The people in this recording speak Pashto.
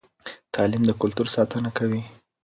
تعلیم د کلتور ساتنه کوي.